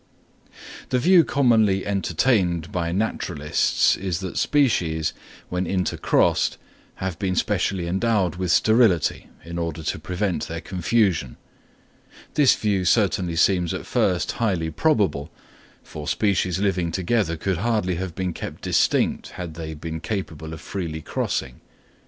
The view commonly entertained by naturalists is that species, when intercrossed, have been specially endowed with sterility, in order to prevent their confusion. This view certainly seems at first highly probable, for species living together could hardly have been kept distinct had they been capable of freely crossing.